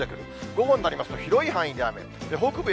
午後になりますと広い範囲で雨。